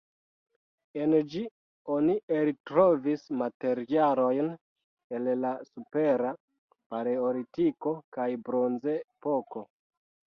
En ĝi oni eltrovis materialojn el la Supera paleolitiko kaj Bronzepoko.